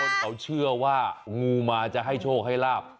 แต่หลายคนเขาเชื่อว่างูมาจะให้โชคให้ลาบ